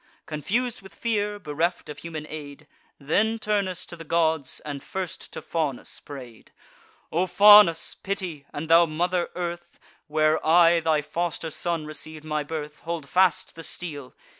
Confus'd with fear, bereft of human aid, Then Turnus to the gods, and first to Faunus pray'd: "O Faunus, pity! and thou Mother Earth, Where I thy foster son receiv'd my birth, Hold fast the steel!